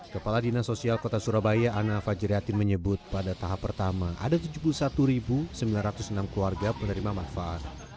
kepala dinas sosial kota surabaya ana fajriatin menyebut pada tahap pertama ada tujuh puluh satu sembilan ratus enam keluarga penerima manfaat